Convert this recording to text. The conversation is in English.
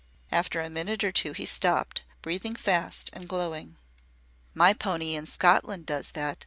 After a minute or two he stopped, breathing fast and glowing. "My pony in Scotland does that.